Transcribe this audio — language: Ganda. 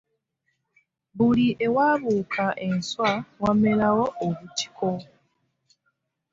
Buli ewabuuka enswa wamerawo obutiko.